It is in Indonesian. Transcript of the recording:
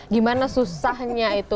gimana susahnya itu